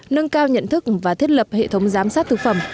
nâng cao nhận thức và thiết lập hệ thống giám sát thực phẩm